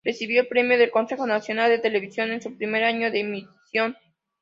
Recibió el Premio del Consejo Nacional de Televisión en su primer año de emisión.